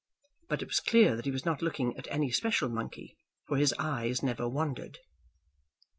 But it was clear that he was not looking at any special monkey, for his eyes never wandered.